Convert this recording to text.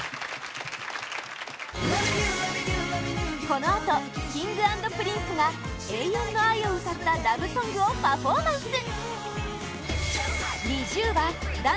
このあとＫｉｎｇ＆Ｐｒｉｎｃｅが永遠の愛を歌ったラブソングをパフォーマンス！